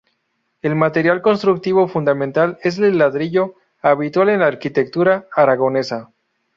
El material constructivo fundamental es el ladrillo, habitual en la arquitectura aragonesa.